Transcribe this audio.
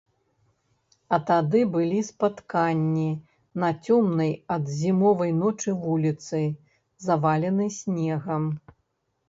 А тады былі спатканні на цёмнай ад зімовай ночы вуліцы, заваленай снегам.